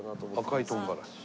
「赤いとんがらし」